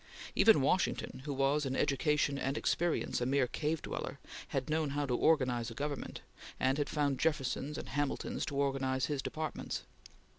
Even Washington, who was, in education and experience, a mere cave dweller, had known how to organize a government, and had found Jeffersons and Hamiltons to organize his departments.